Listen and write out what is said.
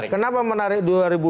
kenapa menarik dua ribu dua puluh